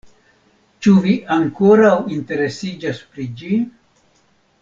Ĉu vi ankoraŭ interesiĝas pri ĝi?